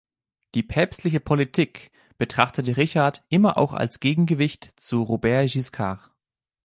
Die päpstliche Politik betrachtete Richard immer auch als Gegengewicht zu Robert Guiscard.